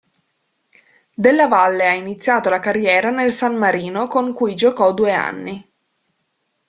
Della Valle ha iniziato la carriera nel San Marino con cui giocò due anni.